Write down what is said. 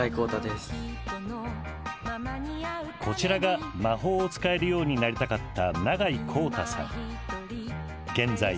こちらが魔法を使えるようになりたかった